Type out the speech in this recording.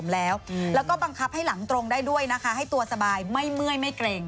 แล้วก็บังคับให้หลังตรงได้ด้วยนะคะให้ตัวสบายไม่เมื่อยไม่เกร็ง